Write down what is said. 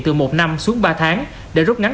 từ một năm xuống ba tháng để rút ngắn